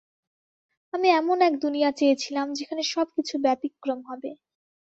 আমি এমন এক দুনিয়া চেয়েছিলাম যেখানে সবকিছু ব্যতিক্রম হবে।